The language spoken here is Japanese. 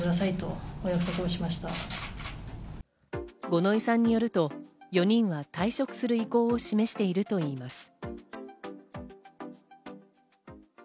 五ノ井さんによると４人は退職する意向を示しているといいます。